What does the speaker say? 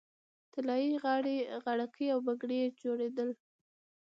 طلايي غاړکۍ او بنګړي جوړیدل